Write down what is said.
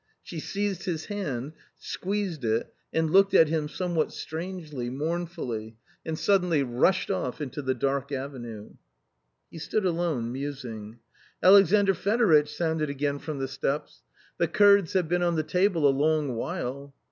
She seized his hand, squeezed it and looked at him some what strangely, mournfully, and suddenly rushed off into the dark avenue. He stood alone musing. " Alexandr Fedoritch !" sounded again from the steps, " the curds have been on the table a long while."